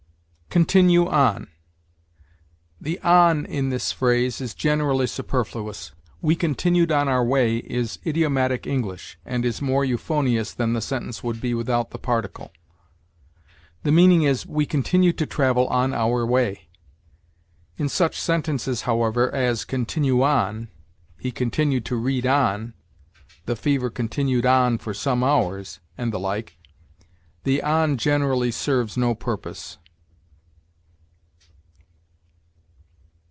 CONTINUE ON. The on in this phrase is generally superfluous. "We continued on our way" is idiomatic English, and is more euphonious than the sentence would be without the particle. The meaning is, "We continued to travel on our way." In such sentences, however, as "Continue on," "He continued to read on," "The fever continued on for some hours," and the like, the on generally serves no purpose.